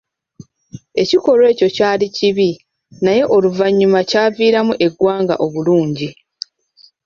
Ekikolwa ekyo kyali kibi, naye oluvannyuma kyaviiramu eggwanga obulungi.